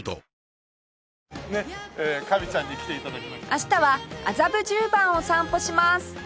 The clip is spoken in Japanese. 明日は麻布十番を散歩します